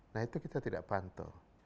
nah itu kita tidak pantau